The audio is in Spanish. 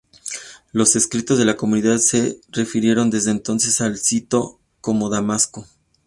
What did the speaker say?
Los escritos de la comunidad, se refirieron desde entonces al sito como Damasco.